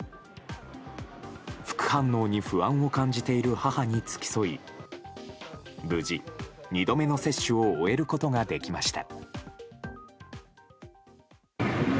副反応に不安を感じている母に付き添い無事、２度目の接種を終えることができました。